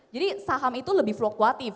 jadi saham itu lebih flukuatif